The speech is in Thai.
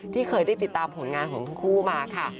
ที่เคยได้ติดตามผลงานของทั้งคู่มาค่ะ